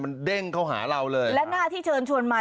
มันเด้งเข้าหาเราเลยและหน้าที่เชิญชวนมา